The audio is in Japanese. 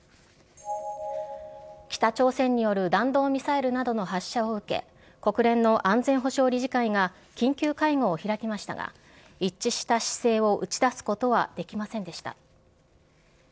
北朝鮮による弾道ミサイルなどの発射を受け、国連の安全保障理事会が緊急会合を開きましたが、一致した姿勢を打ち出すことはできませんでした。